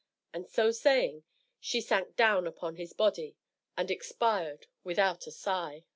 and so saying she sank down upon his body, and expired without a sigh.